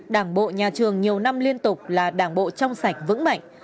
đảng bộ nhà trường nhiều năm liên tục là đảng bộ trong sạch vững mạnh